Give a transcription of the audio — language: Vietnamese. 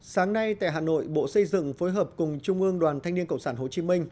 sáng nay tại hà nội bộ xây dựng phối hợp cùng trung ương đoàn thanh niên cộng sản hồ chí minh